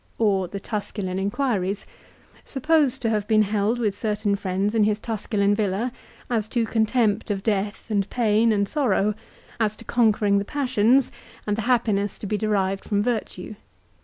Or the Tusculan Enquiries, supposed to have been Disputationes held with certain friends iu his Tusculan villa, as to contempt of Death, arid Pain, and Sorrow, as to conquering the Passions, and the happi ness to be derived from Virtue.